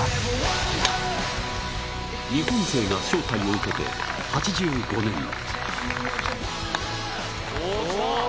日本勢が招待を受けて８５年。